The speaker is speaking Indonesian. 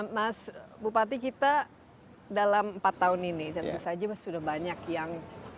mas bupati kita dalam empat tahun ini tentu saja sudah banyak yang